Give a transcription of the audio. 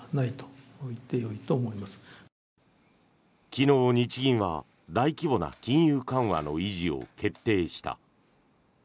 昨日、日銀は大規模な金融緩和の維持を決定した。